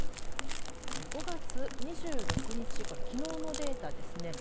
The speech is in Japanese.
５月２６日きのうのデータですね。